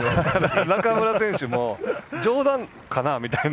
中村選手も冗談かなみたいな。